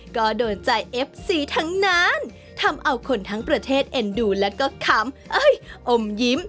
ก็โดนใจเอฟซีทั้งนั้นทำเอาคนทั้งประเทศเอ็นดูแล้วก็ขำอมยิ้ม